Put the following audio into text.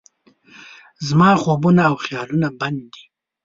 زما خوبونه او خیالونه بند دي